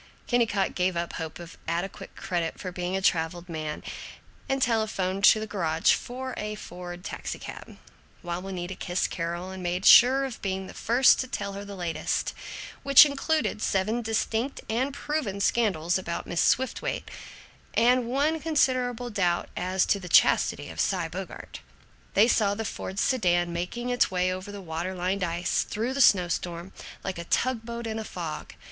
Kennicott gave up hope of adequate credit for being a traveled man, and telephoned to a garage for a Ford taxicab, while Juanita kissed Carol and made sure of being the first to tell the latest, which included seven distinct and proven scandals about Mrs. Swiftwaite, and one considerable doubt as to the chastity of Cy Bogart. They saw the Ford sedan making its way over the water lined ice, through the snow storm, like a tug boat in a fog.